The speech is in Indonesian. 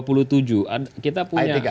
pemerintah kepada rakyatnya